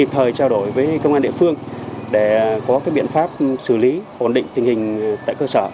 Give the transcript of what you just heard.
thời trao đổi với công an địa phương để có biện pháp xử lý ổn định tình hình tại cơ sở